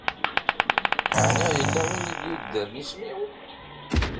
Ɛni yella win i d-yuddren isem-iw?